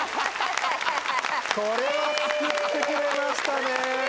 これは救ってくれましたね。